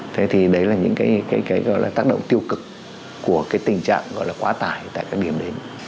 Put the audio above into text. thế thì đấy là những cái gọi là tác động tiêu cực của cái tình trạng gọi là quá tải tại các điểm đến